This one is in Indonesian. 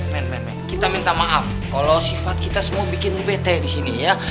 men men men kita minta maaf kalo sifat kita semua bikin lu bete di sini ya